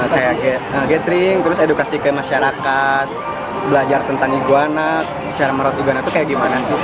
kayak gathering terus edukasi ke masyarakat belajar tentang iguana cara merawat iguana itu kayak gimana sih